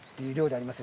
あります。